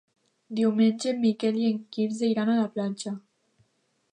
Diumenge en Miquel i en Quirze iran a la platja.